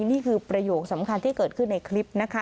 นี่คือประโยคสำคัญที่เกิดขึ้นในคลิปนะคะ